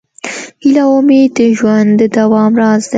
هیله او امید د ژوند د دوام راز دی.